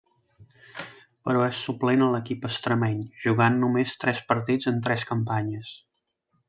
Però, és suplent a l'equip extremeny, jugant només tres partits en tres campanyes.